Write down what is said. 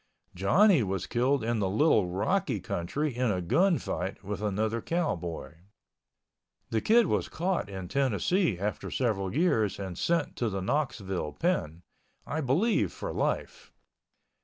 Johnny was killed in the Little Rocky country in a gun fight with another cowboy. The Kid was caught in Tennessee after several years and sent to the Knoxville pen—I believe for life.